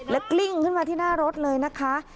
กลิ้งขึ้นมาที่หน้ารถเลยนะคะ